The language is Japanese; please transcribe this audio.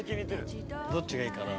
どっちがいいかな？